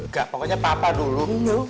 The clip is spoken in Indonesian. gak pokoknya papa dulu